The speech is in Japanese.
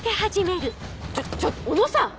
ちょっちょっと小野さん！